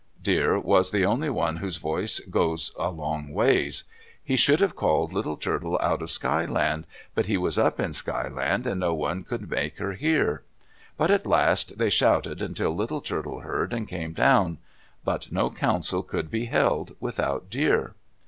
Deer was the only one whose voice "goes a long ways." He should have called Little Turtle out of Sky Land. But he was up in Sky Land and no one could make her hear. But at last they shouted until Little Turtle heard and came down. But no council could be held without Deer.